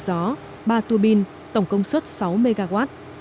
nâng tổng công suất nguồn điện gió ba tùa pin tổng công suất sáu mw